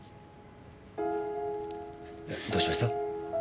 どうしました？